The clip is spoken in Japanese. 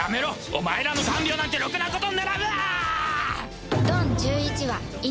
お前らの看病なんてろくなことにならんわ！